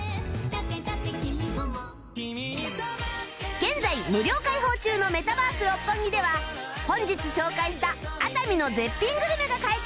現在無料開放中のメタバース六本木では本日紹介した熱海の絶品グルメが買えちゃいます